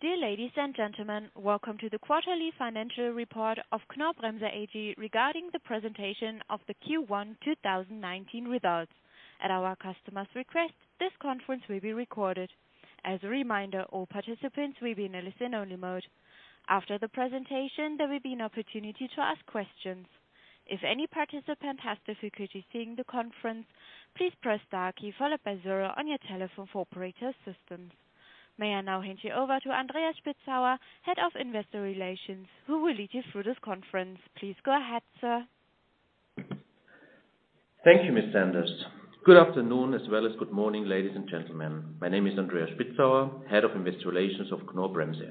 Dear ladies and gentlemen. Welcome to the quarterly financial report of Knorr-Bremse AG regarding the presentation of the Q1 2019 results. At our customers' request, this conference will be recorded. As a reminder, all participants will be in a listen-only mode. After the presentation, there will be an opportunity to ask questions. If any participant has difficulty seeing the conference, please press star key followed by zero on your telephone for operator assistance. May I now hand you over to Andreas Spitzauer, Head of Investor Relations, who will lead you through this conference. Please go ahead, sir. Thank you, Ms. Sanders. Good afternoon, as well as good morning, ladies and gentlemen. My name is Andreas Spitzauer, Head of Investor Relations of Knorr-Bremse.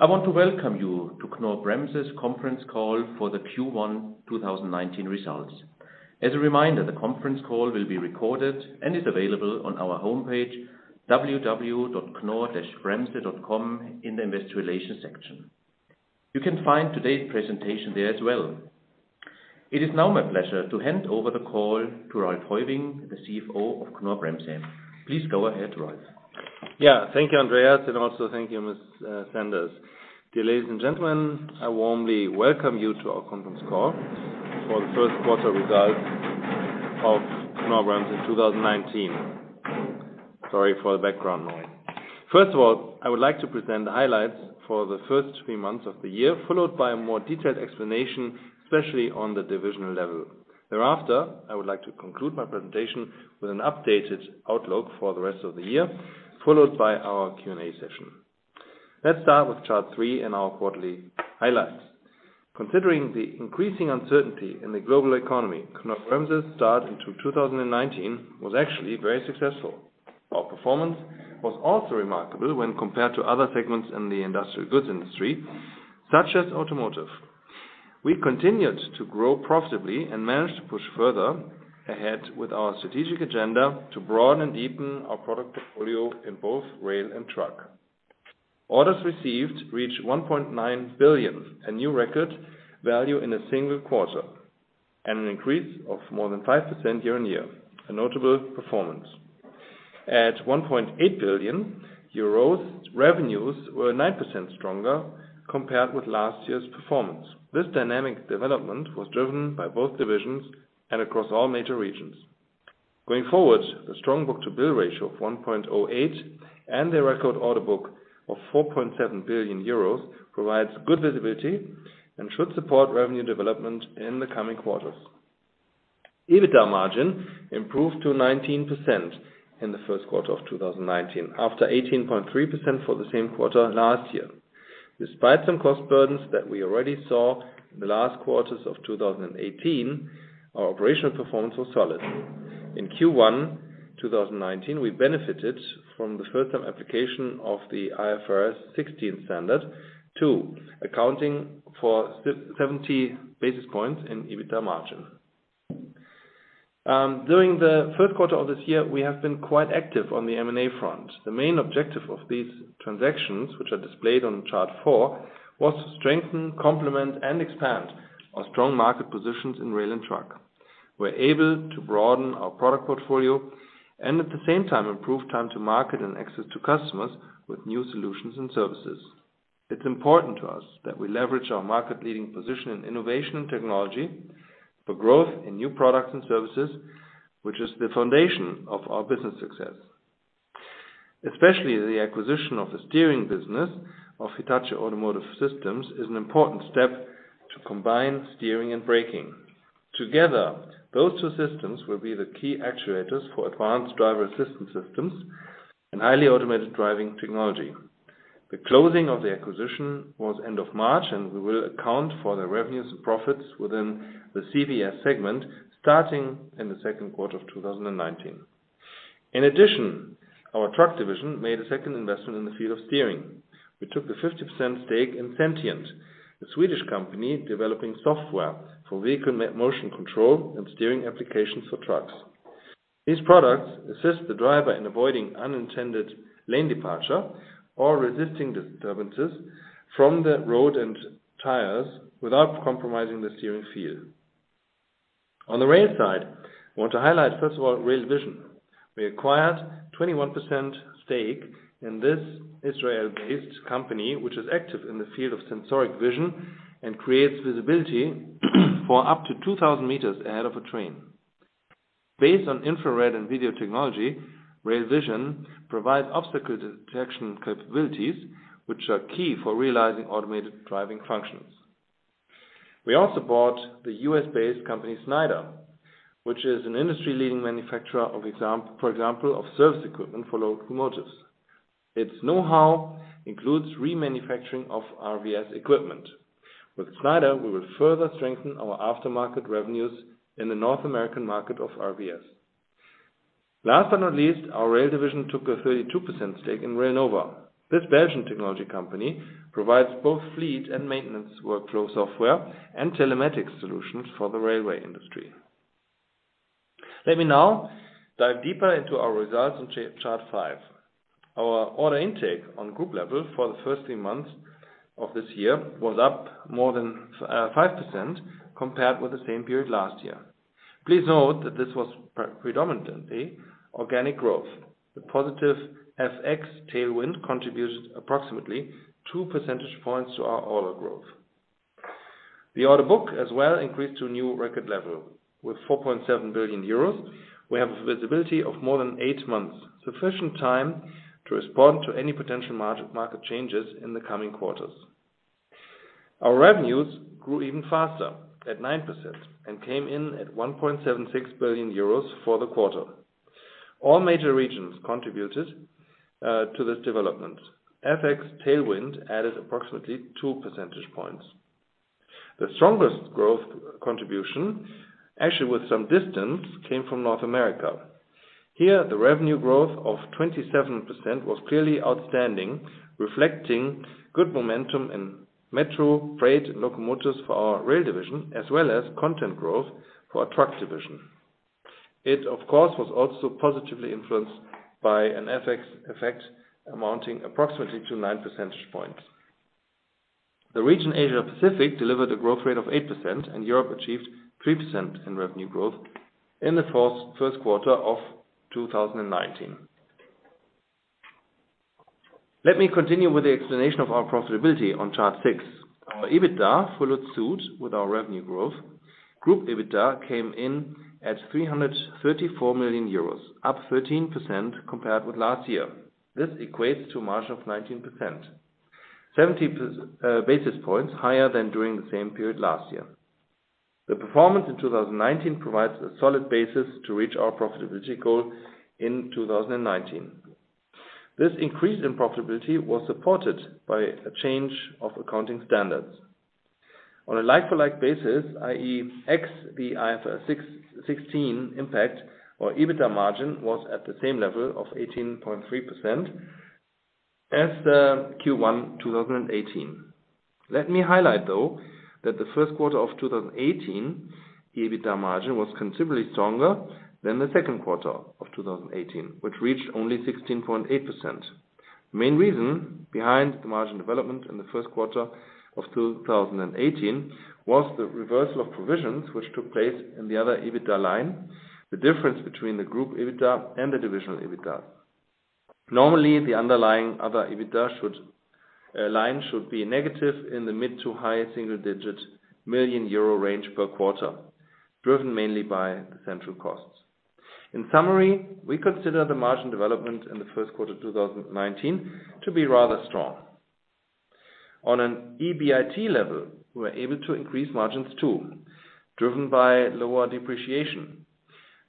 I want to welcome you to Knorr-Bremse's conference call for the Q1 2019 results. As a reminder, the conference call will be recorded and is available on our homepage, www.knorr-bremse.com in the investor relations section. You can find today's presentation there as well. It is now my pleasure to hand over the call to Ralph Heuwing, the CFO of Knorr-Bremse. Please go ahead, Ralph. Yeah. Thank you, Andreas, and also thank you, Ms. Sanders. Dear ladies and gentlemen, I warmly welcome you to our conference call for the first quarter results of Knorr-Bremse 2019. Sorry for the background noise. First of all, I would like to present the highlights for the first three months of the year, followed by a more detailed explanation, especially on the divisional level. Thereafter, I would like to conclude my presentation with an updated outlook for the rest of the year, followed by our Q&A session. Let's start with chart three in our quarterly highlights. Considering the increasing uncertainty in the global economy, Knorr-Bremse's start into 2019 was actually very successful. Our performance was also remarkable when compared to other segments in the industrial goods industry, such as automotive. We continued to grow profitably and managed to push further ahead with our strategic agenda to broaden and deepen our product portfolio in both rail and truck. Orders received reached 1.9 billion, a new record value in a single quarter, and an increase of more than 5% year-on-year. At 1.8 billion euros, revenues were 9% stronger compared with last year's performance. This dynamic development was driven by both divisions and across all major regions. Going forward, the strong book-to-bill ratio of 1.08 and the record order book of 4.7 billion euros provides good visibility and should support revenue development in the coming quarters. EBITDA margin improved to 19% in the first quarter of 2019 after 18.3% for the same quarter last year. Despite some cost burdens that we already saw in the last quarters of 2018, our operational performance was solid. In Q1 2019, we benefited from the first time application of the IFRS 16 standard to accounting for 70 basis points in EBITDA margin. During the first quarter of this year, we have been quite active on the M&A front. The main objective of these transactions, which are displayed on chart four, was to strengthen, complement, and expand our strong market positions in rail and truck. We're able to broaden our product portfolio and at the same time improve time to market and access to customers with new solutions and services. It's important to us that we leverage our market leading position in innovation and technology for growth in new products and services, which is the foundation of our business success. Especially the acquisition of the steering business of Hitachi Automotive Systems is an important step to combine steering and braking. Together, those two systems will be the key actuators for advanced driver assistance systems and highly automated driving technology. The closing of the acquisition was end of March, we will account for the revenues and profits within the CVS segment starting in the second quarter of 2019. In addition, our truck division made a second investment in the field of steering. We took a 50% stake in Sentient, the Swedish company developing software for vehicle motion control and steering applications for trucks. These products assist the driver in avoiding unintended lane departure or resisting disturbances from the road and tires without compromising the steering feel. On the rail side, I want to highlight, first of all, Rail Vision. We acquired 21% stake in this Israel-based company, which is active in the field of sensoric vision and creates visibility for up to 2,000 meters ahead of a train. Based on infrared and video technology, RailVision provides obstacle detection capabilities, which are key for realizing automated driving functions. We also bought the US-based company Snyder, which is an industry-leading manufacturer, for example, of service equipment for locomotives. Its knowhow includes remanufacturing of RVS equipment. With Snyder, we will further strengthen our aftermarket revenues in the North American market of RVS. Last but not least, our rail division took a 32% stake in Railnova. This Belgian technology company provides both fleet and maintenance workflow software and telematics solutions for the railway industry. Let me now dive deeper into our results on chart five. Our order intake on group level for the first three months of this year was up more than 5% compared with the same period last year. Please note that this was predominantly organic growth. The positive FX tailwind contributed approximately two percentage points to our order growth. The order book as well increased to a new record level. With 4.7 billion euros, we have visibility of more than eight months, sufficient time to respond to any potential market changes in the coming quarters. Our revenues grew even faster, at 9%, came in at 1.76 billion euros for the quarter. All major regions contributed to this development. FX tailwind added approximately two percentage points. The strongest growth contribution, actually with some distance, came from North America. Here, the revenue growth of 27% was clearly outstanding, reflecting good momentum in metro, freight, and locomotives for our rail division, as well as content growth for our truck division. It, of course, was also positively influenced by an FX effect amounting approximately to nine percentage points. The region Asia Pacific delivered a growth rate of 8%, Europe achieved 3% in revenue growth in the first quarter of 2019. Let me continue with the explanation of our profitability on chart six. Our EBITDA followed suit with our revenue growth. Group EBITDA came in at 334 million euros, up 13% compared with last year. This equates to a margin of 19%, 70 basis points higher than during the same period last year. The performance in 2019 provides a solid basis to reach our profitability goal in 2019. This increase in profitability was supported by a change of accounting standards. On a like-for-like basis, i.e., ex the IFRS 16 impact, our EBITDA margin was at the same level of 18.3% as the Q1 2018. Let me highlight, though, that the first quarter of 2018 EBITDA margin was considerably stronger than the second quarter of 2018, which reached only 16.8%. The main reason behind the margin development in the first quarter of 2018 was the reversal of provisions which took place in the other EBITDA line, the difference between the group EBITDA and the divisional EBITDA. Normally, the underlying other EBITDA line should be negative in the mid to high single-digit million EUR range per quarter, driven mainly by the central costs. In summary, we consider the margin development in the first quarter 2019 to be rather strong. On an EBIT level, we were able to increase margins too, driven by lower depreciation.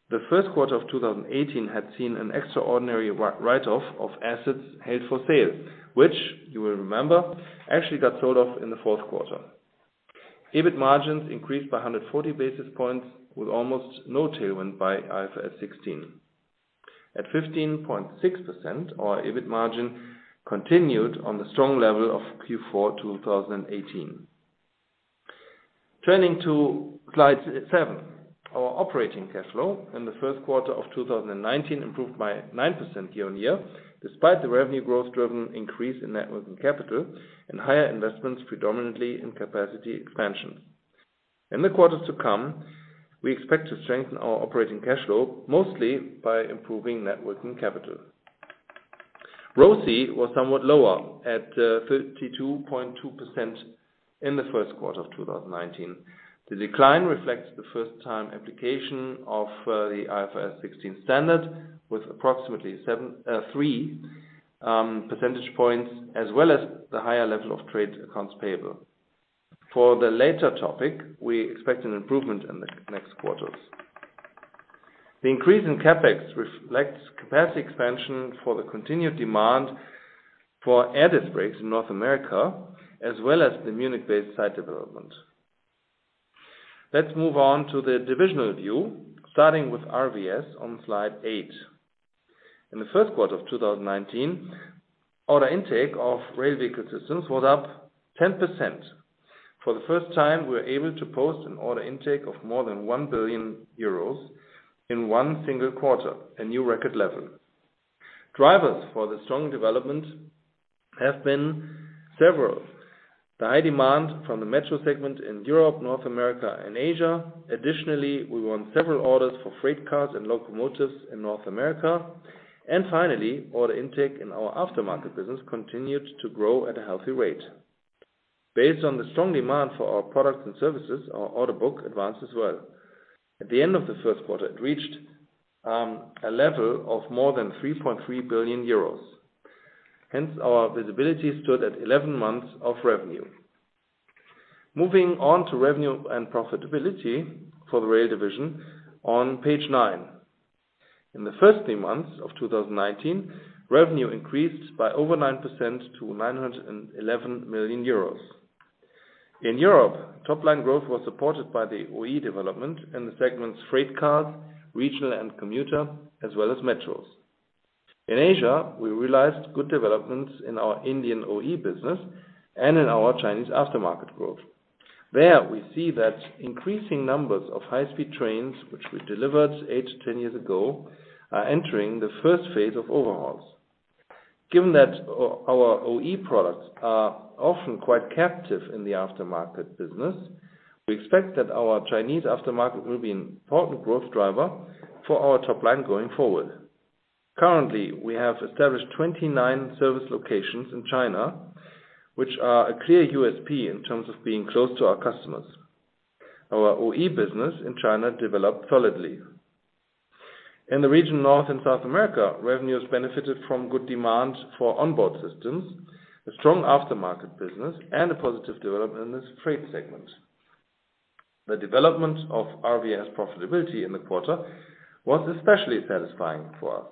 The first quarter of 2018 had seen an extraordinary write-off of assets held for sale, which you will remember actually got sold off in the fourth quarter. EBIT margins increased by 140 basis points with almost no tailwind by IFRS 16. At 15.6%, our EBIT margin continued on the strong level of Q4 2018. Turning to slide seven, our operating cash flow in the first quarter of 2019 improved by 9% year-on-year, despite the revenue growth-driven increase in net working capital and higher investments predominantly in capacity expansions. In the quarters to come, we expect to strengthen our operating cash flow mostly by improving net working capital. ROCE was somewhat lower at 32.2% in the first quarter of 2019. The decline reflects the first time application of the IFRS 16 standard with approximately 3 percentage points, as well as the higher level of trade accounts payable. For the later topic, we expect an improvement in the next quarters. The increase in CapEx reflects capacity expansion for the continued demand for air disc brakes in North America, as well as the Munich-based site development. Let's move on to the divisional view, starting with RVS on slide eight. In the first quarter of 2019, order intake of Rail Vehicle Systems was up 10%. For the first time, we were able to post an order intake of more than 1 billion euros in one single quarter, a new record level. Drivers for the strong development have been several. The high demand from the metro segment in Europe, North America, and Asia. Additionally, we won several orders for freight cars and locomotives in North America. Finally, order intake in our aftermarket business continued to grow at a healthy rate. Based on the strong demand for our products and services, our order book advanced as well. At the end of the first quarter, it reached a level of more than 3.3 billion euros. Hence, our visibility stood at 11 months of revenue. Moving on to revenue and profitability for the rail division on page nine. In the first three months of 2019, revenue increased by over 9% to 911 million euros. In Europe, top-line growth was supported by the OE development in the segments freight cars, regional and commuter, as well as metros. In Asia, we realized good developments in our Indian OE business and in our Chinese aftermarket growth. There, we see that increasing numbers of high-speed trains which we delivered 8 to 10 years ago are entering the first phase of overhauls. Given that our OE products are often quite captive in the aftermarket business, we expect that our Chinese aftermarket will be an important growth driver for our top line going forward. Currently, we have established 29 service locations in China, which are a clear USP in terms of being close to our customers. Our OE business in China developed solidly. In the region North and South America, revenues benefited from good demand for onboard systems, a strong aftermarket business, and a positive development in this trade segment. The development of RVS profitability in the quarter was especially satisfying for us.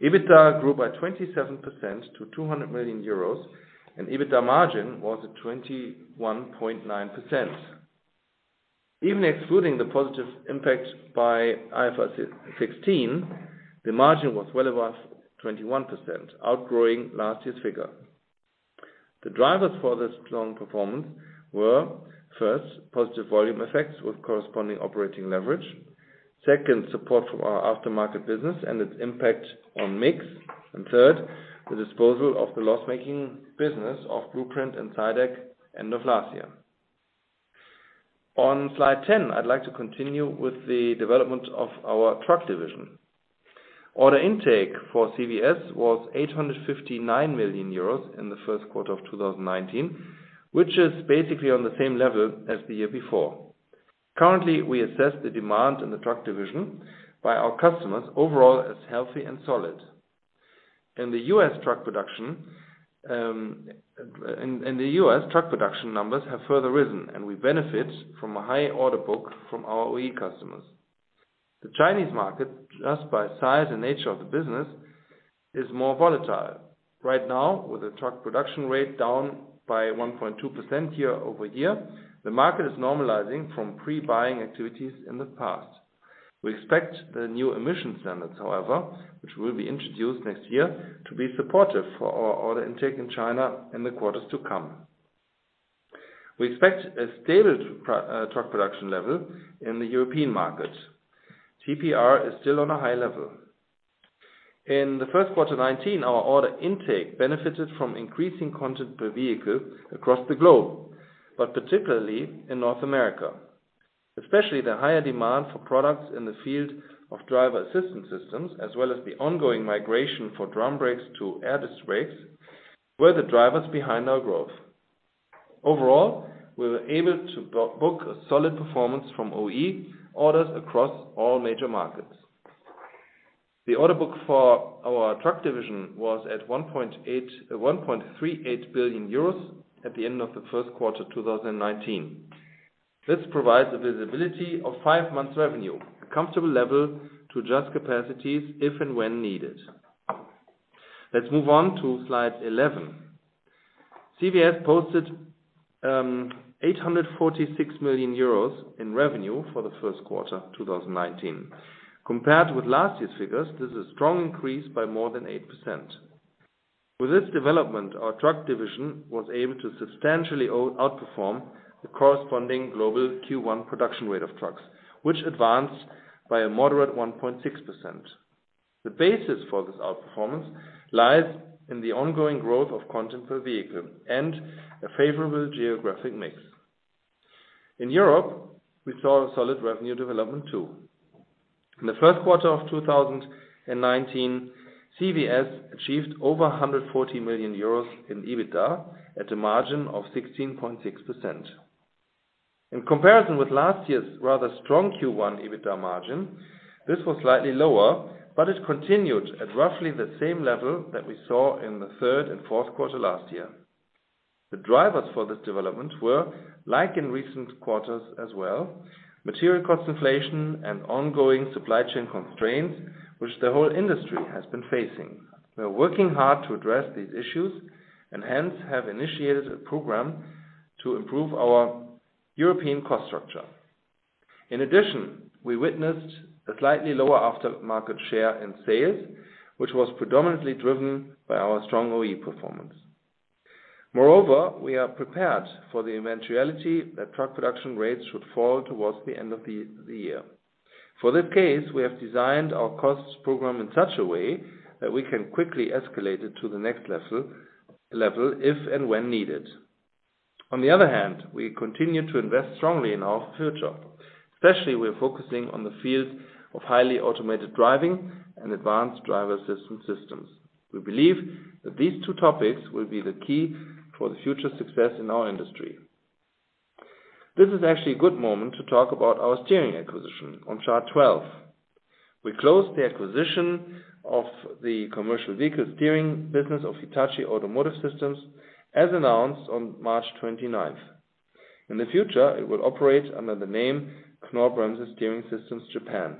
EBITDA grew by 27% to 200 million euros, and EBITDA margin was at 21.9%. Even excluding the positive impact by IFRS 16, the margin was well above 21%, outgrowing last year's figure. The drivers for this strong performance were, first, positive volume effects with corresponding operating leverage. Second, support from our aftermarket business and its impact on mix. Third, the disposal of the loss-making business of Blueprint and Zidek end of last year. On slide 10, I'd like to continue with the development of our truck division. Order intake for CVS was 859 million euros in the first quarter of 2019, which is basically on the same level as the year before. Currently, we assess the demand in the truck division by our customers overall as healthy and solid. In the U.S., truck production numbers have further risen, and we benefit from a high order book from our OE customers. The Chinese market, just by size and nature of the business, is more volatile. Right now, with the truck production rate down by 1.2% year-over-year, the market is normalizing from pre-buying activities in the past. We expect the new emission standards, however, which will be introduced next year, to be supportive for our order intake in China in the quarters to come. We expect a stable truck production level in the European market. TPR is still on a high level. In the first quarter 2019, our order intake benefited from increasing content per vehicle across the globe, but particularly in North America. Especially the higher demand for products in the field of driver assistance systems, as well as the ongoing migration for drum brakes to air disc brakes, were the drivers behind our growth. Overall, we were able to book a solid performance from OE orders across all major markets. The order book for our truck division was at 1.38 billion euros at the end of the first quarter 2019. This provides a visibility of five months revenue, a comfortable level to adjust capacities if and when needed. Let's move on to slide 11. CVS posted 846 million euros in revenue for the first quarter 2019. Compared with last year's figures, this is a strong increase by more than 8%. With this development, our truck division was able to substantially outperform the corresponding global Q1 production rate of trucks, which advanced by a moderate 1.6%. The basis for this outperformance lies in the ongoing growth of content per vehicle and a favorable geographic mix. In Europe, we saw a solid revenue development, too. In the first quarter of 2019, CVS achieved over 140 million euros in EBITDA at a margin of 16.6%. In comparison with last year's rather strong Q1 EBITDA margin, this was slightly lower, but it continued at roughly the same level that we saw in the third and fourth quarter last year. The drivers for this development were, like in recent quarters as well, material cost inflation and ongoing supply chain constraints, which the whole industry has been facing. We are working hard to address these issues and hence have initiated a program to improve our European cost structure. In addition, we witnessed a slightly lower aftermarket share in sales, which was predominantly driven by our strong OE performance. Moreover, we are prepared for the eventuality that truck production rates should fall towards the end of the year. For this case, we have designed our costs program in such a way that we can quickly escalate it to the next level if and when needed. On the other hand, we continue to invest strongly in our future. Especially, we are focusing on the field of highly automated driving and advanced driver assistance systems. We believe that these two topics will be the key for the future success in our industry. This is actually a good moment to talk about our steering acquisition on chart 12. We closed the acquisition of the commercial vehicle steering business of Hitachi Automotive Systems, as announced on March 29th. In the future, it will operate under the name Knorr-Bremse Steering Systems Japan.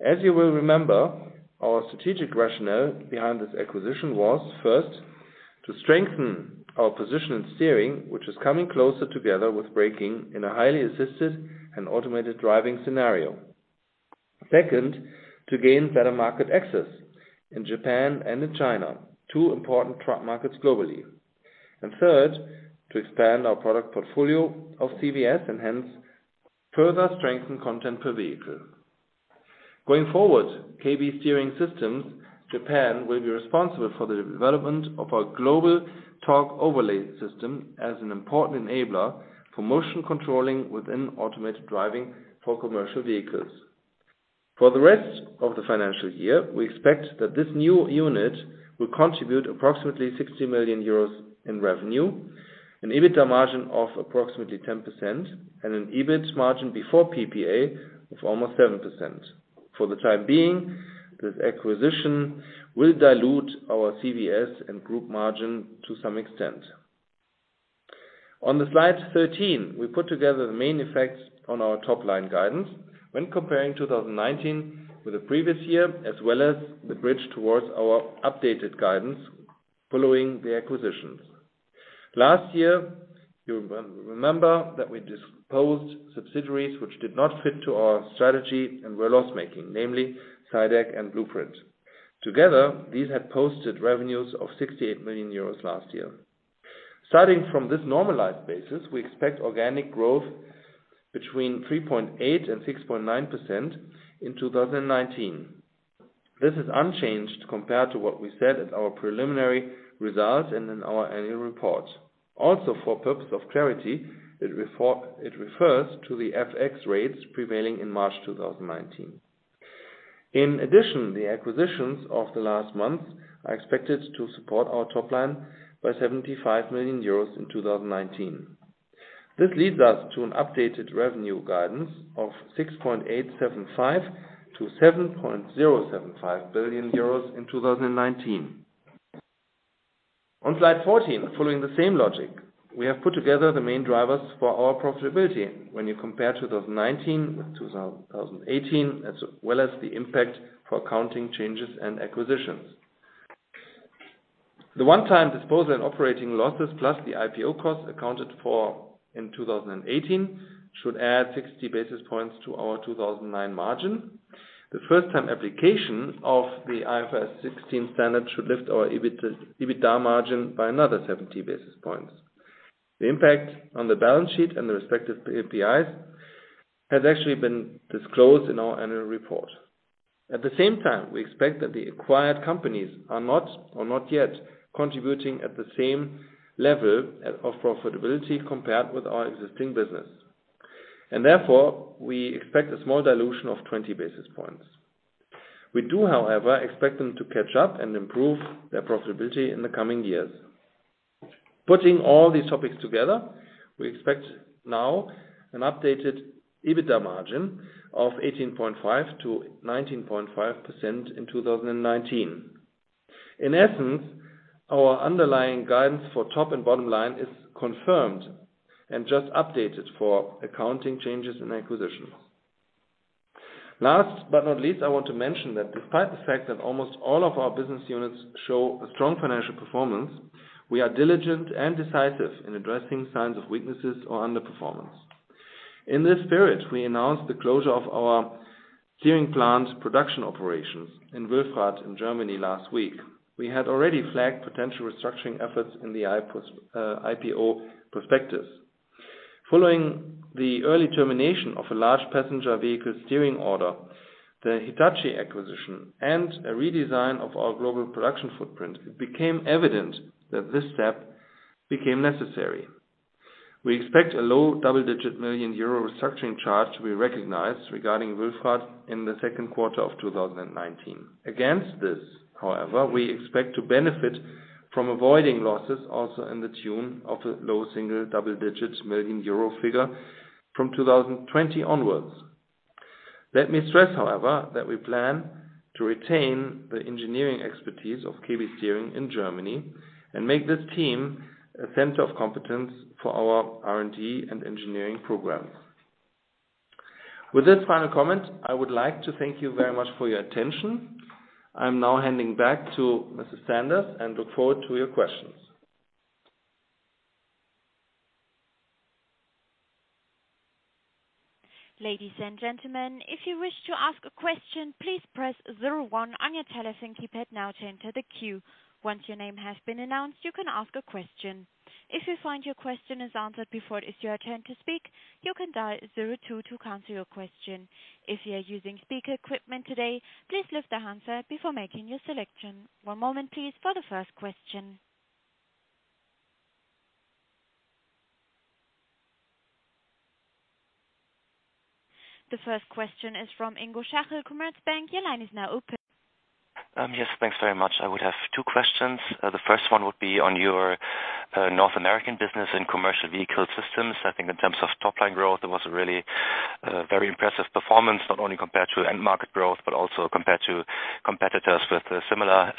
As you will remember, our strategic rationale behind this acquisition was, first, to strengthen our position in steering, which is coming closer together with braking in a highly assisted and automated driving scenario. Second, to gain better market access in Japan and in China, two important truck markets globally. Third, to expand our product portfolio of CVS and hence further strengthen content per vehicle. Going forward, KB Steering Systems Japan will be responsible for the development of our global torque overlay system as an important enabler for motion controlling within automated driving for commercial vehicles. For the rest of the financial year, we expect that this new unit will contribute approximately 60 million euros in revenue, an EBITDA margin of approximately 10%, and an EBIT margin before PPA of almost 7%. For the time being, this acquisition will dilute our CVS and group margin to some extent. On the slide 13, we put together the main effects on our top-line guidance when comparing 2019 with the previous year, as well as the bridge towards our updated guidance following the acquisitions. Last year, you remember that we disposed subsidiaries which did not fit to our strategy and were loss-making, namely Sydac and Blueprint. Together, these had posted revenues of 68 million euros last year. Starting from this normalized basis, we expect organic growth between 3.8% and 6.9% in 2019. This is unchanged compared to what we said at our preliminary result and in our annual report. For purpose of clarity, it refers to the FX rates prevailing in March 2019. The acquisitions of the last month are expected to support our top line by 75 million euros in 2019. This leads us to an updated revenue guidance of 6.875 billion to 7.075 billion euros in 2019. On slide 14, following the same logic, we have put together the main drivers for our profitability when you compare 2019 with 2018, as well as the impact for accounting changes and acquisitions. The one-time disposal and operating losses, plus the IPO cost accounted for in 2018 should add 60 basis points to our 2009 margin. The first-time application of the IFRS 16 standard should lift our EBITDA margin by another 70 basis points. The impact on the balance sheet and the respective FDIs has actually been disclosed in our annual report. We expect that the acquired companies are not, or not yet, contributing at the same level of profitability compared with our existing business. Therefore, we expect a small dilution of 20 basis points. We do, however, expect them to catch up and improve their profitability in the coming years. Putting all these topics together, we expect now an updated EBITDA margin of 18.5%-19.5% in 2019. Our underlying guidance for top and bottom line is confirmed and just updated for accounting changes and acquisitions. I want to mention that despite the fact that almost all of our business units show a strong financial performance, we are diligent and decisive in addressing signs of weaknesses or underperformance. In this spirit, we announced the closure of our steering plant production operations in Wülfrath in Germany last week. We had already flagged potential restructuring efforts in the IPO prospectus. Following the early termination of a large passenger vehicle steering order, the Hitachi acquisition, and a redesign of our global production footprint, it became evident that this step became necessary. We expect a low double-digit million EUR restructuring charge to be recognized regarding Wülfrath in the second quarter of 2019. Against this, however, we expect to benefit from avoiding losses also in the tune of a low single double digits million EUR figure from 2020 onwards. Let me stress, however, that we plan to retain the engineering expertise of KB Steering in Germany and make this team a center of competence for our R&D and engineering programs. With this final comment, I would like to thank you very much for your attention. I'm now handing back to Mrs. Sanders and look forward to your questions. Ladies and gentlemen, if you wish to ask a question, please press 01 on your telephone keypad now to enter the queue. Once your name has been announced, you can ask a question. If you find your question is answered before it is your turn to speak, you can dial 02 to cancel your question. If you are using speaker equipment today, please lift the handset before making your selection. One moment, please, for the first question. The first question is from Ingo Schachel, Commerzbank. Your line is now open. Yes, thanks very much. I would have two questions. The first one would be on your North American business and Commercial Vehicle Systems. I think in terms of top-line growth, it was a really very impressive performance, not only compared to end market growth, but also compared to competitors with a similar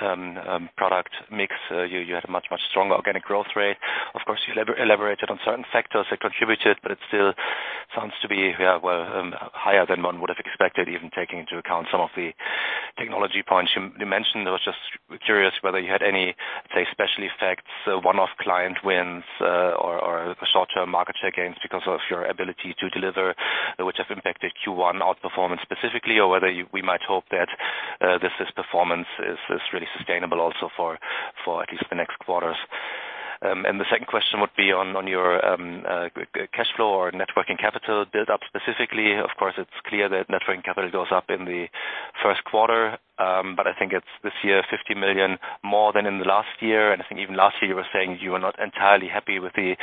product mix. You had a much stronger organic growth rate. Of course, you elaborated on certain factors that contributed, but it still seems to be, well, higher than one would have expected, even taking into account some of the technology points you mentioned. I was just curious whether you had any, say, special effects, one-off client wins or short-term market share gains because of your ability to deliver, which have impacted Q1 outperformance specifically, or whether we might hope that this performance is really sustainable also for at least the next quarters. The second question would be on your cash flow or net working capital build-up specifically. Of course, it's clear that net working capital goes up in the first quarter. I think it's this year 50 million more than in the last year. I think even last year, you were saying you are not entirely happy with the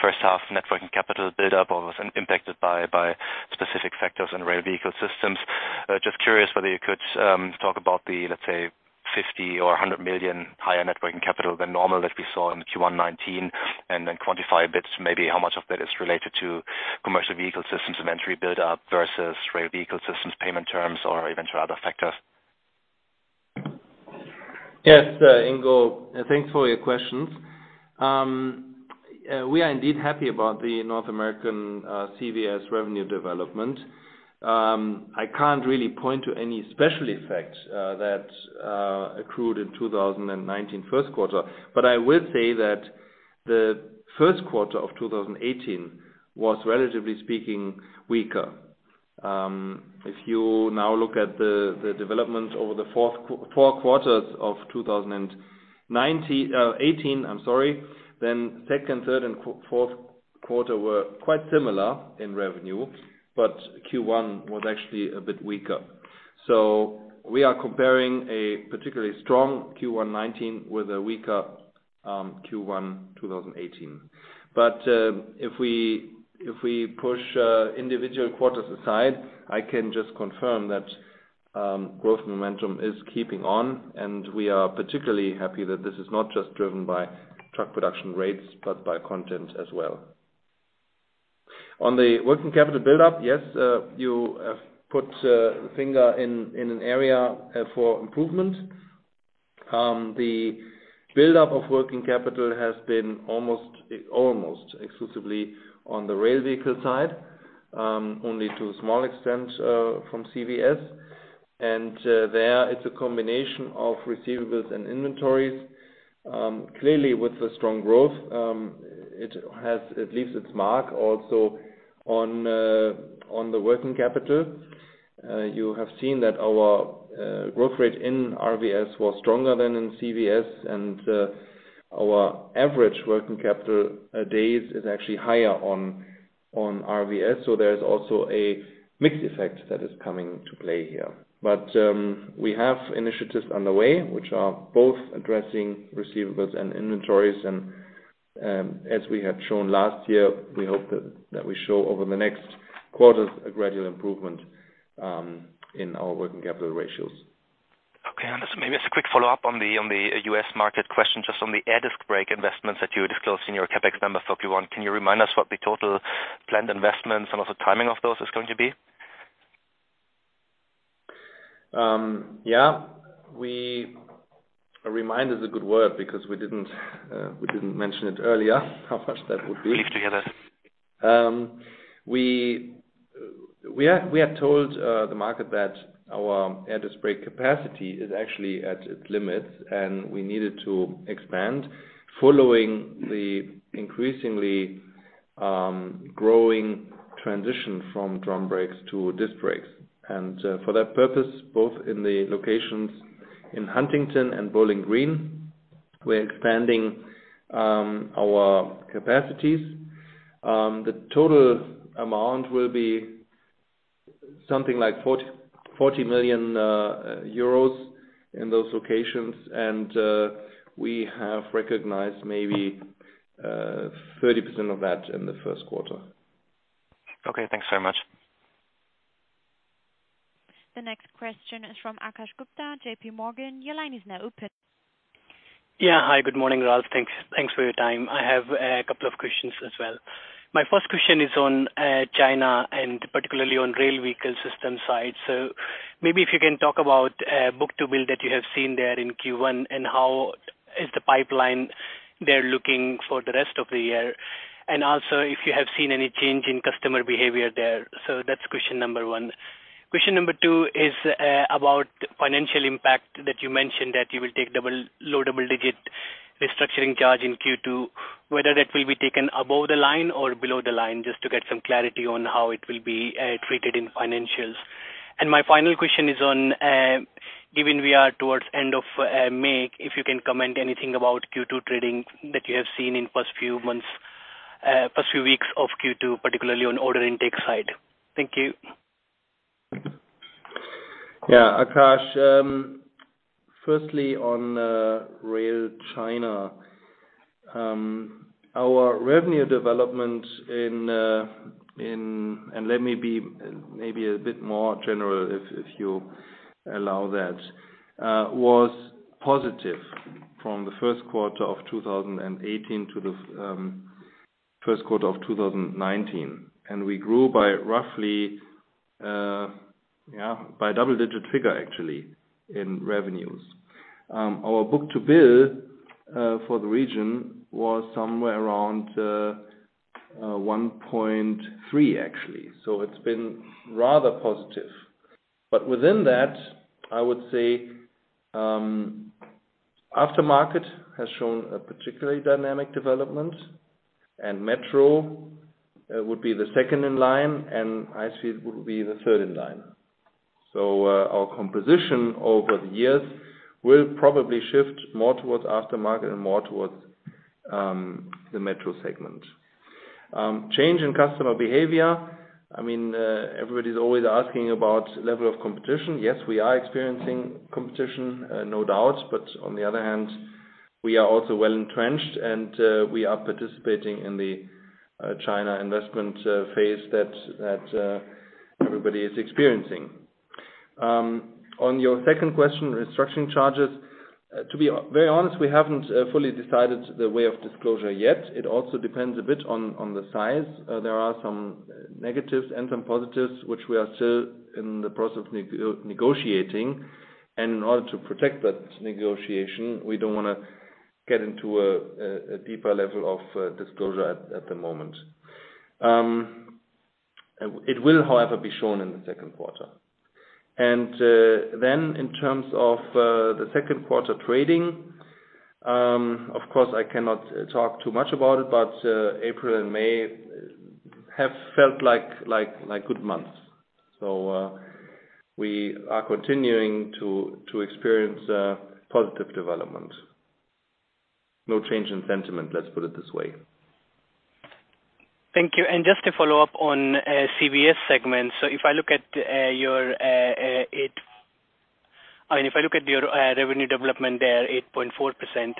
first half net working capital build-up, or was impacted by specific factors and Rail Vehicle Systems. Just curious whether you could talk about the, let's say, 50 million or 100 million higher net working capital than normal that we saw in the Q1 2019, and then quantify a bit maybe how much of that is related to Commercial Vehicle Systems inventory build-up versus Rail Vehicle Systems payment terms, or even to other factors. Yes. Ingo, thanks for your questions. We are indeed happy about the North American CVS revenue development. I can't really point to any special effects that accrued in 2019 first quarter. I will say that the first quarter of 2018 was, relatively speaking, weaker. If you now look at the developments over the four quarters of 2018, I'm sorry, then second, third, and fourth quarter were quite similar in revenue, Q1 was actually a bit weaker. We are comparing a particularly strong Q1 2019 with a weaker Q1 2018. If we push individual quarters aside, I can just confirm that growth momentum is keeping on, and we are particularly happy that this is not just driven by truck production rates, but by content as well. On the working capital build-up, yes, you have put a finger in an area for improvement. The build-up of working capital has been almost exclusively on the Rail Vehicle Systems side, only to a small extent from CVS. There, it's a combination of receivables and inventories. Clearly, with the strong growth, it leaves its mark also on the working capital. You have seen that our growth rate in RVS was stronger than in CVS, and our average working capital days is actually higher on RVS. There is also a mixed effect that is coming to play here. We have initiatives underway which are both addressing receivables and inventories. As we have shown last year, we hope that we show over the next quarters a gradual improvement in our working capital ratios. Okay. Maybe just a quick follow-up on the U.S. market question, just on the air disc brake investments that you disclosed in your CapEx numbers for Q1. Can you remind us what the total planned investments and what the timing of those is going to be? Yeah. A reminder is a good word because we didn't mention it earlier, how much that would be. Please do, yes. We had told the market that our air disc brake capacity is actually at its limits, and we needed to expand following the increasingly growing transition from drum brakes to disc brakes. For that purpose, both in the locations in Huntington and Bowling Green, we're expanding our capacities. The total amount will be something like 40 million euros in those locations, and we have recognized maybe 30% of that in the first quarter. Okay, thanks very much. The next question is from Akash Gupta, JPMorgan. Your line is now open. Hi, good morning, Ralph. Thanks for your time. I have a couple of questions as well. My first question is on China and particularly on Rail Vehicle Systems side. Maybe if you can talk about book-to-bill that you have seen there in Q1, how is the pipeline there looking for the rest of the year. Also, if you have seen any change in customer behavior there. That is question number one. Question number two is about financial impact that you mentioned that you will take low double-digit restructuring charge in Q2, whether that will be taken above the line or below the line, just to get some clarity on how it will be treated in financials. My final question is on, given we are towards end of May, if you can comment anything about Q2 trading that you have seen in first few weeks of Q2, particularly on order intake side. Thank you. Akash, firstly on Rail China. Our revenue development in, let me be maybe a bit more general if you allow that, was positive from the first quarter of 2018 to the first quarter of 2019. We grew by roughly a double-digit figure, actually, in revenues. Our book-to-bill for the region was somewhere around 1.3 actually. It's been rather positive. Within that, I would say Aftermarket has shown a particularly dynamic development, and Metro would be the second in line, and ICE would be the third in line. Our composition over the years will probably shift more towards Aftermarket and more towards the Metro segment. Change in customer behavior, everybody's always asking about level of competition. Yes, we are experiencing competition, no doubt. On the other hand, we are also well-entrenched, and we are participating in the China investment phase that everybody is experiencing. On your second question, restructuring charges, to be very honest, we haven't fully decided the way of disclosure yet. It also depends a bit on the size. There are some negatives and some positives, which we are still in the process of negotiating. In order to protect that negotiation, we don't want to get into a deeper level of disclosure at the moment. It will, however, be shown in the second quarter. In terms of the second quarter trading, of course, I cannot talk too much about it, but April and May have felt like good months. We are continuing to experience positive development. No change in sentiment, let's put it this way. Thank you. Just to follow up on CVS segment. If I look at your revenue development there, 8.4%,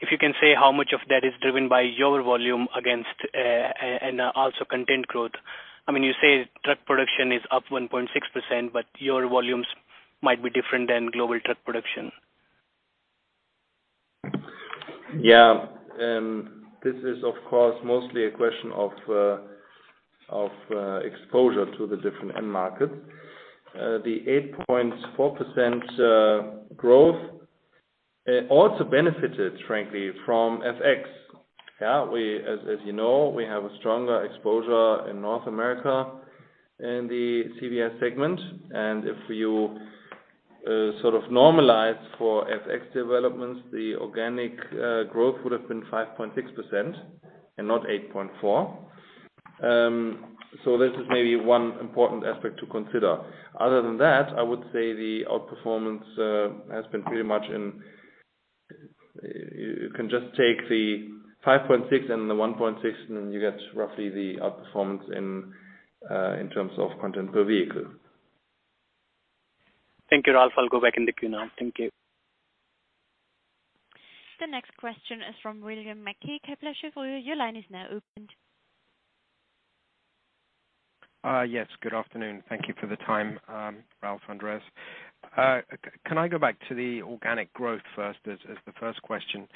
if you can say how much of that is driven by your volume and also content growth. You say truck production is up 1.6%, but your volumes might be different than global truck production. This is of course, mostly a question of exposure to the different end markets. The 8.4% growth also benefited, frankly, from FX. As you know, we have a stronger exposure in North America in the CVS segment. If you normalize for FX developments, the organic growth would have been 5.6% and not 8.4%. This is maybe one important aspect to consider. Other than that, I would say the outperformance has been pretty much you can just take the 5.6% and the 1.6% and you get roughly the outperformance in terms of content per vehicle. Thank you, Ralph. I'll go back in the queue now. Thank you. The next question is from William Mackie, Kepler Cheuvreux. Your line is now open. Yes, good afternoon. Thank you for the time, Ralph, Andreas. Can I go back to the organic growth first as the first question?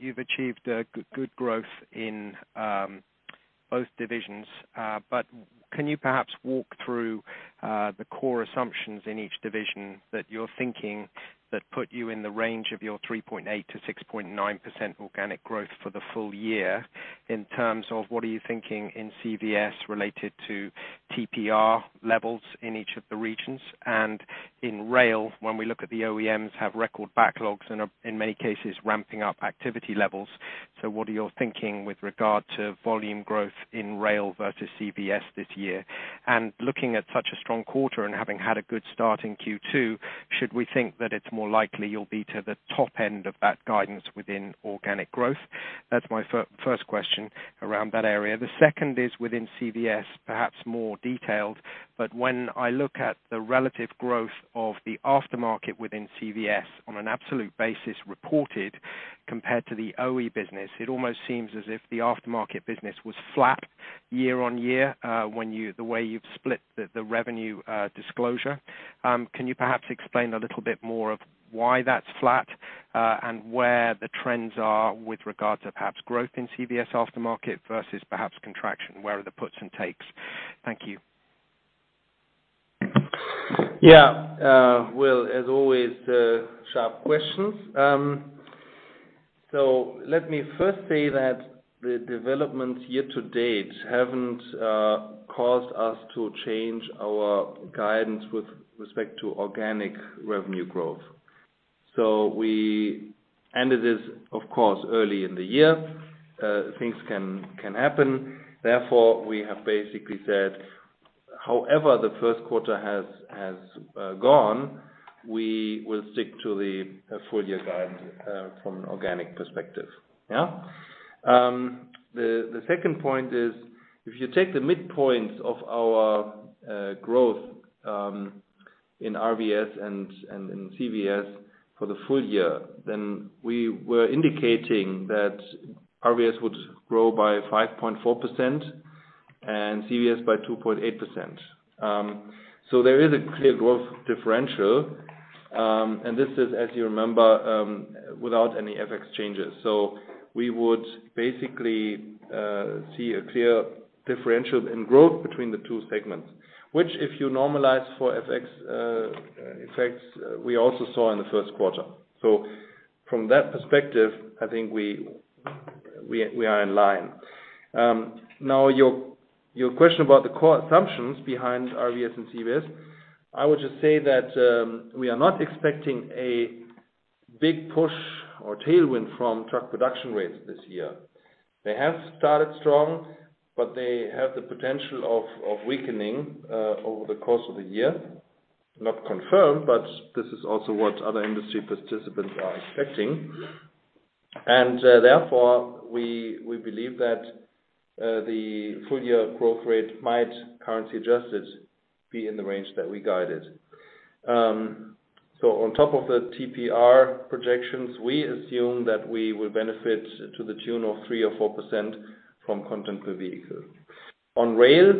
You've achieved good growth in both divisions, but can you perhaps walk through the core assumptions in each division that you're thinking that put you in the range of your 3.8%-6.9% organic growth for the full year in terms of what are you thinking in CVS related to TPR levels in each of the regions? In Rail, when we look at the OEMs have record backlogs and are in many cases ramping up activity levels, what are your thinking with regard to volume growth in Rail versus CVS this year? Looking at such a strong quarter and having had a good start in Q2, should we think that it's more likely you'll be to the top end of that guidance within organic growth? That's my first question around that area. The second is within CVS, perhaps more detailed, but when I look at the relative growth of the aftermarket within CVS on an absolute basis reported compared to the OE business, it almost seems as if the aftermarket business was flat year-on-year, the way you've split the revenue disclosure. Can you perhaps explain a little bit more of why that's flat and where the trends are with regard to perhaps growth in CVS aftermarket versus perhaps contraction? Where are the puts and takes? Thank you. Will, as always, sharp questions. Let me first say that the developments year to date haven't caused us to change our guidance with respect to organic revenue growth. We ended this, of course, early in the year. Things can happen. We have basically said, however the first quarter has gone, we will stick to the full-year guidance from an organic perspective. The second point is, if you take the midpoint of our growth in RVS and in CVS for the full year, we were indicating that RVS would grow by 5.4% and CVS by 2.8%. There is a clear growth differential, and this is, as you remember, without any FX changes. We would basically see a clear differential in growth between the two segments, which if you normalize for FX effects, we also saw in the first quarter. From that perspective, I think We are in line. Your question about the core assumptions behind RVS and CVS, I would just say that we are not expecting a big push or tailwind from truck production rates this year. They have started strong, but they have the potential of weakening over the course of the year. Not confirmed, but this is also what other industry participants are expecting. We believe that the full-year growth rate might, currency adjusted, be in the range that we guided. On top of the TPR projections, we assume that we will benefit to the tune of 3% or 4% from content per vehicle. On rail,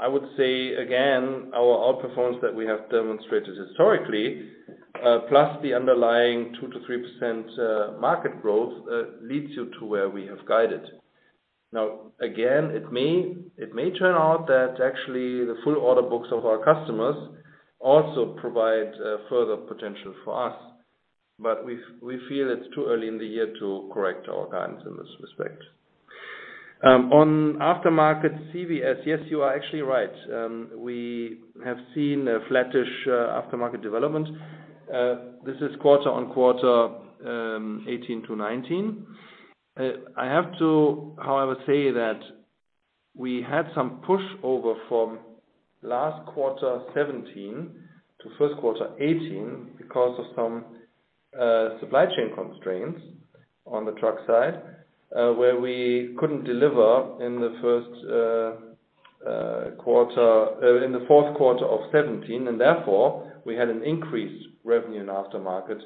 I would say again, our outperformance that we have demonstrated historically, plus the underlying 2%-3% market growth, leads you to where we have guided. Again, it may turn out that actually the full order books of our customers also provide further potential for us. We feel it's too early in the year to correct our guidance in this respect. On aftermarket CVS, yes, you are actually right. We have seen a flattish aftermarket development. This is quarter-on-quarter 2018 to 2019. I have to, however, say that we had some pushover from last quarter 2017 to first quarter 2018 because of some supply chain constraints on the truck side where we couldn't deliver in the fourth quarter of 2017. We had an increased revenue in aftermarket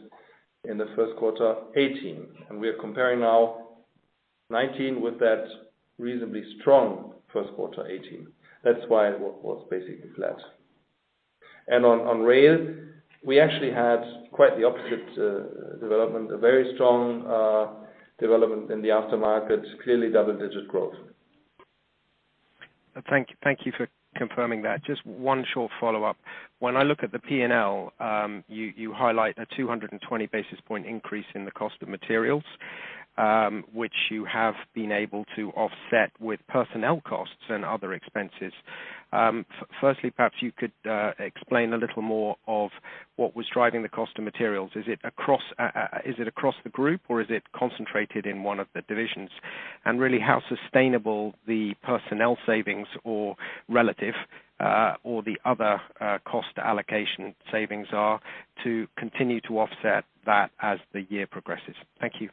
in the first quarter 2018. We are comparing now 2019 with that reasonably strong first quarter 2018. That's why it was basically flat. On rail, we actually had quite the opposite development, a very strong development in the aftermarket. Clearly double-digit growth. Thank you for confirming that. Just one short follow-up. When I look at the P&L, you highlight a 220 basis point increase in the cost of materials, which you have been able to offset with personnel costs and other expenses. Firstly, perhaps you could explain a little more of what was driving the cost of materials. Is it across the group or is it concentrated in one of the divisions? Really how sustainable the personnel savings or relative or the other cost allocation savings are to continue to offset that as the year progresses. Thank you.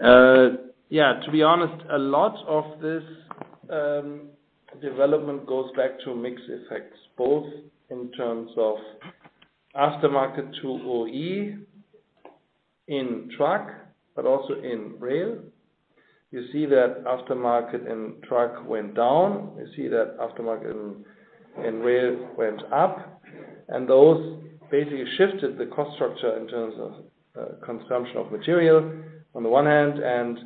Yeah. To be honest, a lot of this development goes back to mix effects, both in terms of aftermarket to OE in truck, but also in rail. You see that aftermarket and truck went down. You see that aftermarket and rail went up, and those basically shifted the cost structure in terms of consumption of material on the one hand and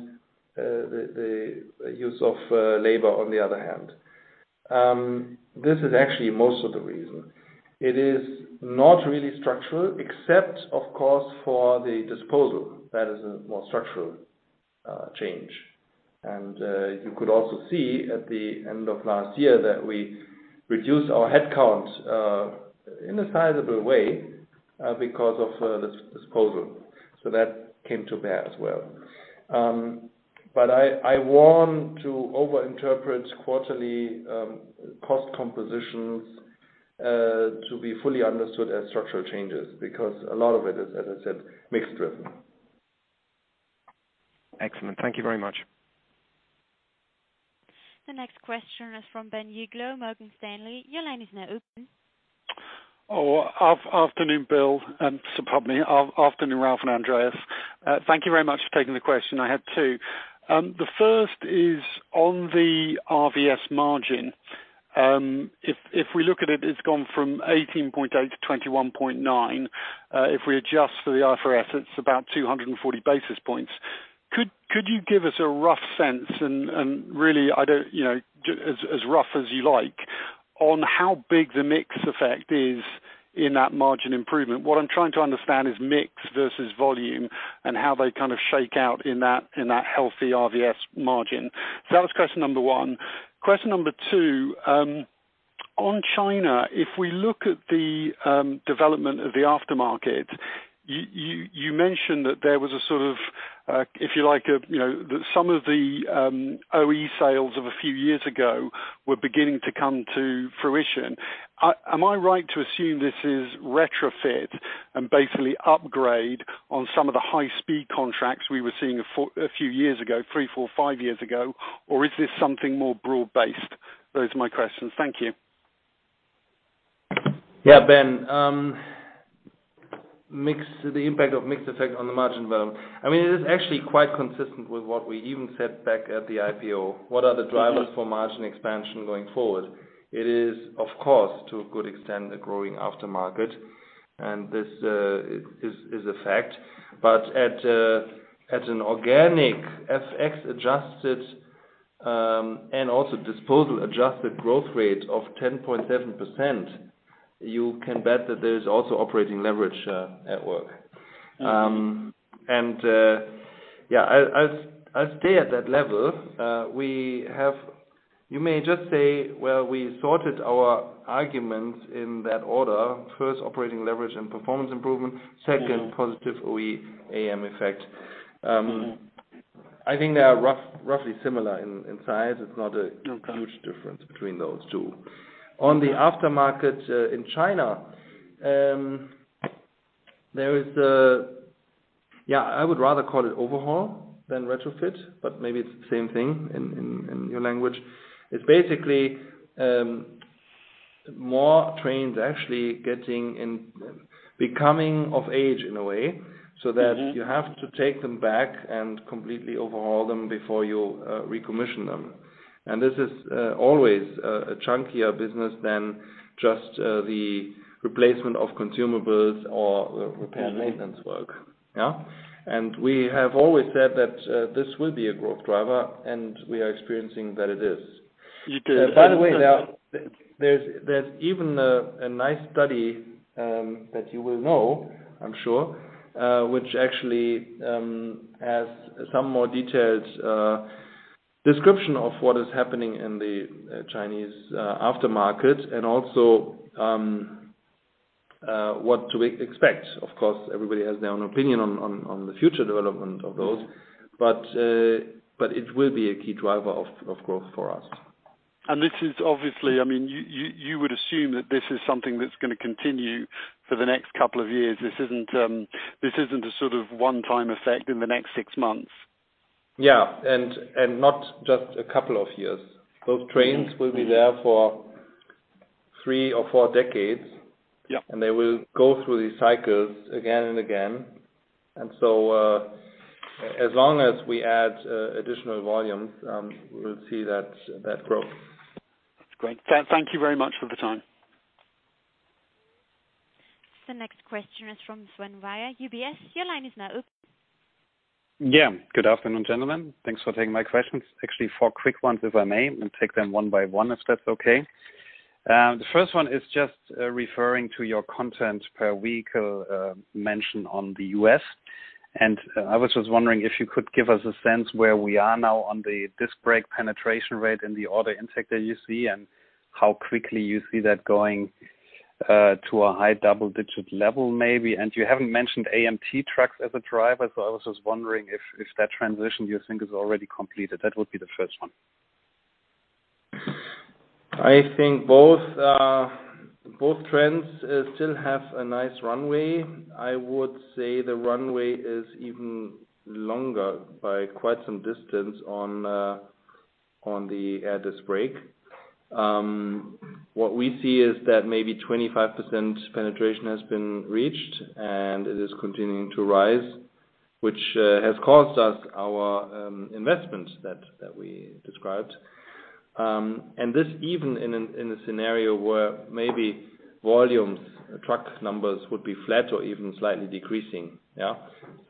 the use of labor on the other hand. This is actually most of the reason. It is not really structural except, of course, for the disposal. That is a more structural change. You could also see at the end of last year that we reduced our headcount in a sizable way because of this disposal. That came to bear as well. I warn to over interpret quarterly cost compositions to be fully understood as structural changes because a lot of it is, as I said, mix-driven. Excellent. Thank you very much. The next question is from Ben Uglow, Morgan Stanley. Your line is now open. Afternoon, Bill. Pardon me. Afternoon, Ralph and Andreas. Thank you very much for taking the question. I had two. The first is on the RVS margin. If we look at it is gone from 18.8 to 21.9. If we adjust for the IFRS, it is about 240 basis points. Could you give us a rough sense and really, as rough as you like, on how big the mix effect is in that margin improvement? What I am trying to understand is mix versus volume and how they kind of shake out in that healthy RVS margin. That was question number one. Question number two, on China, if we look at the development of the aftermarket, you mentioned that there was a sort of, if you like, some of the OE sales of a few years ago were beginning to come to fruition. Am I right to assume this is retrofit and basically upgrade on some of the high-speed contracts we were seeing a few years ago, three, four, five years ago? Is this something more broad-based? Those are my questions. Thank you. Ben. The impact of mix effect on the margin development. It is actually quite consistent with what we even said back at the IPO. What are the drivers for margin expansion going forward? It is, of course, to a good extent, a growing aftermarket, and this is a fact. At an organic FX-adjusted and also disposal-adjusted growth rate of 10.7%. You can bet that there is also operating leverage at work. I will stay at that level. You may just say, well, we sorted our arguments in that order. First, operating leverage and performance improvement. Second- positive OE AM effect. I think they are roughly similar in size. It's not. Okay huge difference between those two. On the aftermarket in China, there is the, I would rather call it overhaul than retrofit, but maybe it's the same thing in your language. It's basically more trains actually becoming of age in a way. you have to take them back and completely overhaul them before you recommission them. This is always a chunkier business than just the replacement of consumables or. maintenance work. Yeah. We have always said that this will be a growth driver, and we are experiencing that it is. You did. By the way, there's even a nice study, that you will know, I'm sure, which actually has some more detailed description of what is happening in the Chinese aftermarket and also what do we expect. Of course, everybody has their own opinion on the future development of those. It will be a key driver of growth for us. This is obviously, you would assume that this is something that's going to continue for the next couple of years. This isn't a sort of one-time effect in the next six months. Yeah. Not just a couple of years. Those trains will be there for three or four decades. Yeah. They will go through these cycles again and again. So, as long as we add additional volumes, we will see that growth. Great. Thank you very much for the time. The next question is from Sven Weyers, UBS. Your line is now open. Yeah. Good afternoon, gentlemen. Thanks for taking my questions. Actually, 4 quick ones, if I may, take them one by one, if that's okay. The first one is just referring to your content per vehicle mention on the U.S., I was just wondering if you could give us a sense where we are now on the disc brake penetration rate and the order intake that you see and how quickly you see that going to a high double-digit level maybe. You haven't mentioned AMT trucks as a driver, so I was just wondering if that transition you think is already completed. That would be the first one. I think both trends still have a nice runway. I would say the runway is even longer by quite some distance on the air disc brake. What we see is that maybe 25% penetration has been reached, and it is continuing to rise, which has caused us our investments that we described. This even in a scenario where maybe volumes, truck numbers would be flat or even slightly decreasing. Yeah.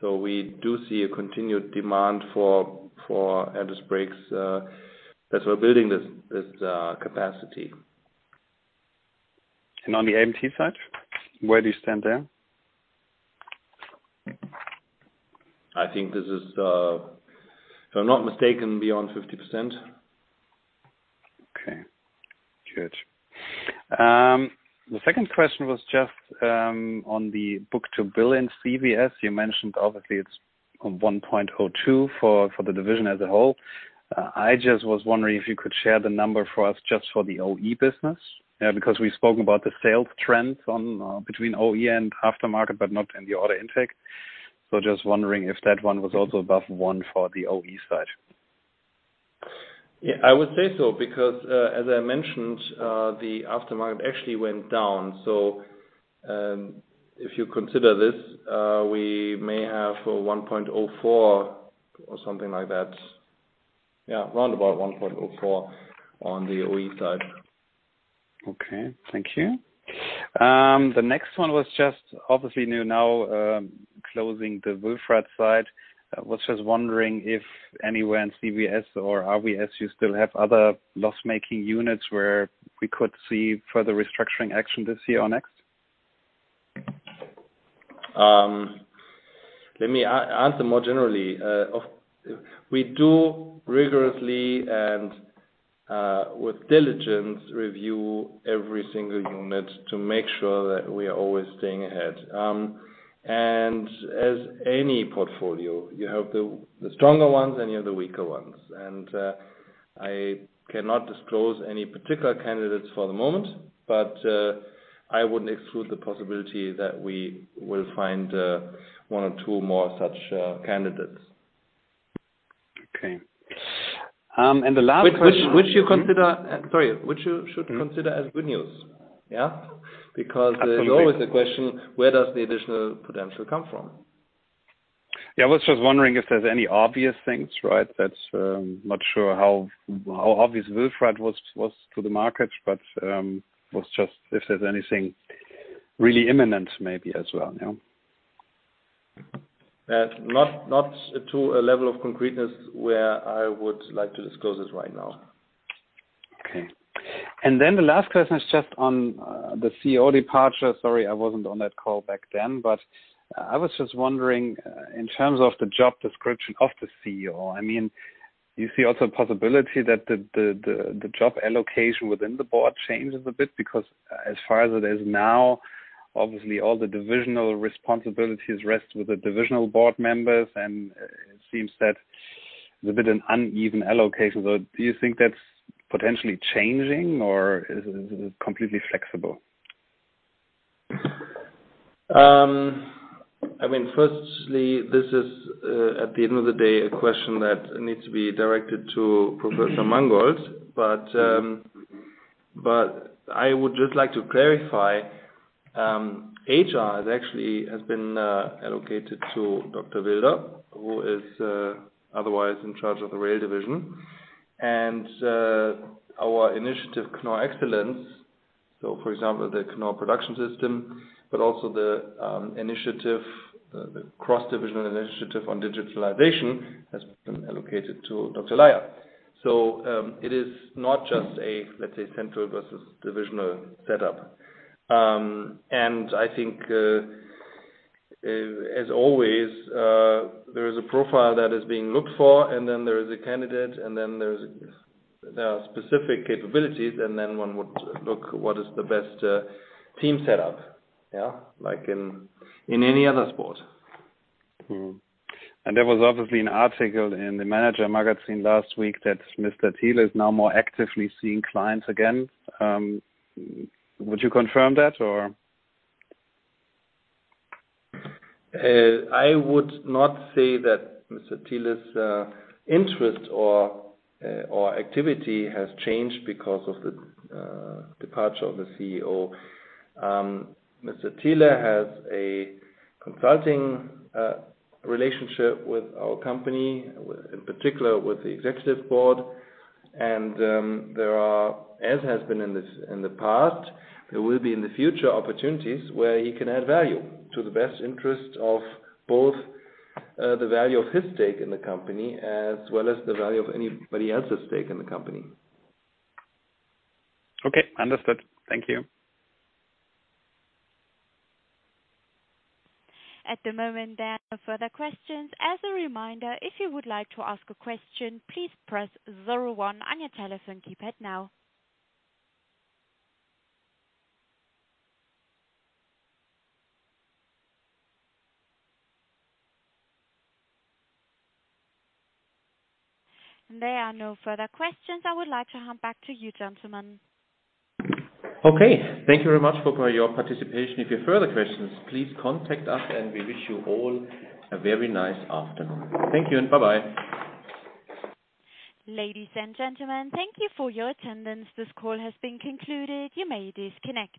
We do see a continued demand for air disc brakes, that's why we're building this capacity. On the AMT side, where do you stand there? I think this is, if I'm not mistaken, beyond 50%. Okay, good. The second question was just on the book-to-bill in CVS. You mentioned obviously it is 1.02 for the division as a whole. I just was wondering if you could share the number for us just for the OE business. Yeah, because we spoke about the sales trends between OE and aftermarket, but not in the order intake. Just wondering if that one was also above one for the OE side. Yeah, I would say so because, as I mentioned, the aftermarket actually went down. If you consider this, we may have a 1.04 or something like that. Yeah, roundabout 1.04 on the OE side. Okay. Thank you. The next one was just obviously you now closing the Wülfrath site. I was just wondering if anywhere in CVS or RVS you still have other loss-making units where we could see further restructuring action this year or next? Let me answer more generally. We do rigorously and with diligence review every single unit to make sure that we are always staying ahead. As any portfolio, you have the stronger ones and you have the weaker ones. I cannot disclose any particular candidates for the moment, but I wouldn't exclude the possibility that we will find one or two more such candidates. Okay. The last question. Which you should consider as good news. Yeah? Absolutely. There's always the question: where does the additional potential come from? Yeah, I was just wondering if there's any obvious things, right? I'm not sure how obvious [Zidek] was to the market, but, if there's anything really imminent maybe as well. Yeah Not to a level of concreteness where I would like to disclose this right now. The last question is just on the CEO departure. Sorry, I wasn't on that call back then, but I was just wondering, in terms of the job description of the CEO, do you see also a possibility that the job allocation within the board changes a bit? As far as it is now, obviously all the divisional responsibilities rest with the divisional board members, and it seems that it's a bit of an uneven allocation. Do you think that's potentially changing, or is it completely flexible? Firstly, this is, at the end of the day, a question that needs to be directed to Professor Mangold. I would just like to clarify, HR actually has been allocated to Dr. Wilder, who is otherwise in charge of the rail division. Our initiative, Knorr Excellence, so for example, the Knorr production system, but also the cross-divisional initiative on digitalization, has been allocated to Dr. Laier. It is not just a, let's say, central versus divisional setup. I think, as always, there is a profile that is being looked for, and then there is a candidate, and then there are specific capabilities, and then one would look what is the best team setup, like in any other sport. There was obviously an article in the Manager Magazin last week that Mr. Thiele is now more actively seeing clients again. Would you confirm that, or? I would not say that Mr. Thiele's interest or activity has changed because of the departure of the CEO. Mr. Thiel has a consulting relationship with our company, in particular with the executive board. There are, as has been in the past, there will be in the future opportunities where he can add value to the best interest of both the value of his stake in the company as well as the value of anybody else's stake in the company. Okay. Understood. Thank you. At the moment, there are no further questions. As a reminder, if you would like to ask a question, please press 01 on your telephone keypad now. There are no further questions. I would like to hand back to you, gentlemen. Okay. Thank you very much for your participation. If you have further questions, please contact us, and we wish you all a very nice afternoon. Thank you, and bye-bye. Ladies and gentlemen, thank you for your attendance. This call has been concluded. You may disconnect.